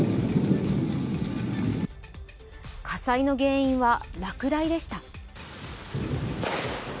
火災の原因は、落雷でした。